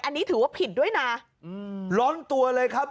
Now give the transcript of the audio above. อันนี้ถือว่าผิดด้วยนะร้อนตัวเลยครับ